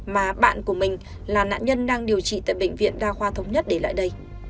mà bạn của mình là nạn nhân đang điều trị tại bệnh viện đa khoa thống nhất để lại đây